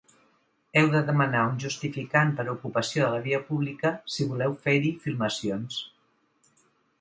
Heu de demanar un justificant per ocupació de la via pública si voleu fer-hi filmacions.